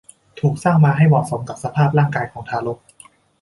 ถูกสร้างมาให้เหมาะสมกับสภาพร่างกายของทารก